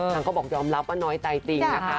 เขาบอกยอมรับว่าน้อยใจจริงนะคะ